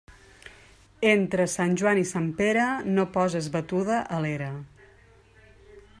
Entre Sant Joan i Sant Pere, no poses batuda a l'era.